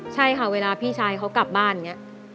ใช่ค่ะเวลาพี่ชายเขากลับบ้านอย่างนี้